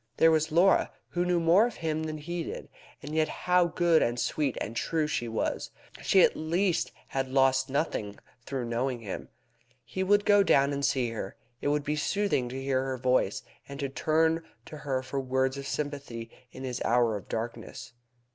There was Laura; who knew more of him than she did, and yet how good and sweet and true she was! She at least had lost nothing through knowing him. He would go down and see her. It would be soothing to hear her voice, and to turn to her for words of sympathy in this his hour of darkness.